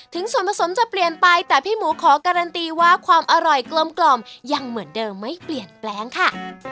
ถึงส่วนผสมจะเปลี่ยนไปแต่พี่หมูขอการันตีว่าความอร่อยกลมยังเหมือนเดิมไม่เปลี่ยนแปลงค่ะ